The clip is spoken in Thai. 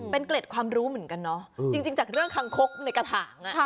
เป็นเกล็ดความรู้เหมือนกันเนาะจริงจากเรื่องคังคกในกระถาง